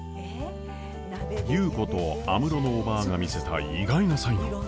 優子と安室のおばぁが見せた意外な才能！